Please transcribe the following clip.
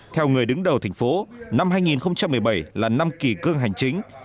theo người đứng đầu thành phố năm hai nghìn một mươi bảy là năm kỳ cương hành chính